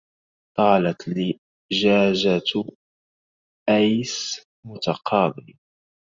طالت لجاجة آيس متقاضي